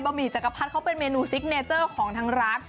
บ่ามีจักรพัดเป็นเมนูซิกเนเจอร์ของทางร้าน